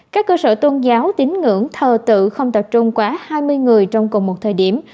các cơ sở tôn giáo tín ngưỡng thờ tự không tập trung quá hai mươi người trong cùng một thời điểm